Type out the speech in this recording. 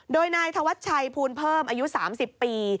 โดยนายธวัชชัยภูลเพิ่มอายุ๓๐ปี